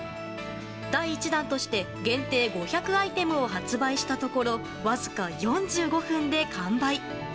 第１弾として限定５００アイテムを発売したところわずか４５分で完売。